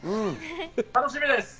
楽しみです。